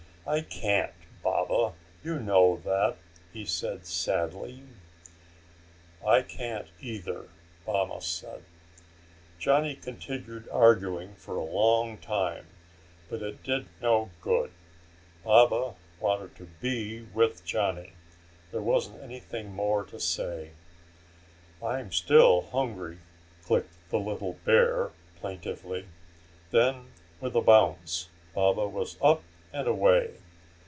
"I can't, Baba. You know that," he said sadly. "I can't either," Baba said. Johnny continued arguing for a long time but it did no good. Baba wanted to be with Johnny: there wasn't anything more to say. "I'm still hungry!" clicked the little bear, plaintively. Then, with a bounce, Baba was up and away.